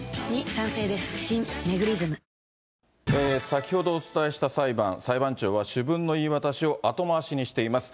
先ほどお伝えした裁判、裁判長は主文の言い渡しを後回しにしています。